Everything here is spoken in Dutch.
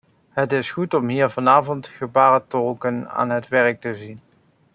Het is goed om hier vanavond gebarentolken aan het werk te zien.